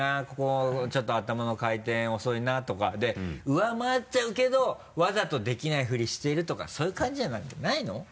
ここちょっと頭の回転遅いなとかで上回っちゃうけどわざとできない振りしてるとかそういう感じなんじゃないの？